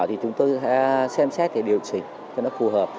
thì chúng tôi sẽ xem xét để điều chỉnh cho nó phù hợp